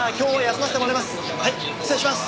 はい失礼します！